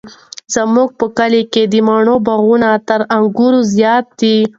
زموږ په کلي کې د مڼو باغونه تر انګورو زیات دي.